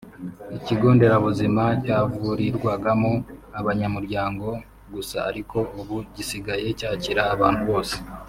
ikigo nderabuzima cyavurirwagamo abanyamuryango gusa ariko ubu gisigaye cyakira abantu bose